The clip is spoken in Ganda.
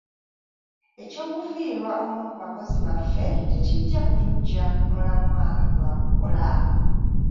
Eky'okufiirwa omu ku bakozi baffe tekijja kutuggya ku mulamwa gwa kukola.